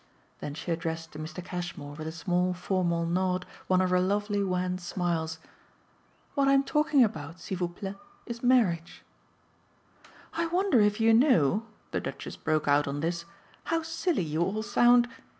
Then she addressed to Mr. Cashmore with a small formal nod one of her lovely wan smiles. "What I'm talking about, s'il vous plait, is marriage." "I wonder if you know," the Duchess broke out on this, "how silly you all sound!